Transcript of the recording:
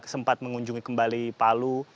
sempat mengunjungi kembali palu